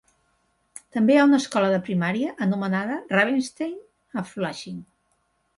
També hi ha una escola de primària anomenada "Ravenstein" a Flushing.